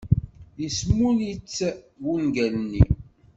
Yesmull-itt wungal-nni.